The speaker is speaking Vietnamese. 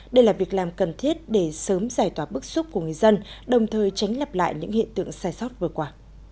đây là việc làm cần thiết để sớm giải tỏa bức xúc của người dân đồng thời tránh lặp lại những hiện tượng sai sót vừa qua